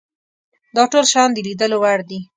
دا ټول شیان د لیدلو وړ دي.